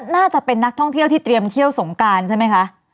น่าจะเป็นนักท่องเที่ยวที่เตรียมเที่ยวสงการใช่ไหมคะ